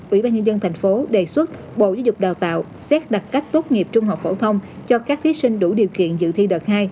ủy ban nhân dân thành phố đề xuất bộ giáo dục đào tạo xét đặt cách tốt nghiệp trung học phổ thông cho các thí sinh đủ điều kiện dự thi đợt hai